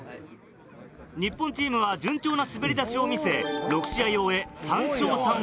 日本チームは順調な滑り出しを見せ６試合を終え。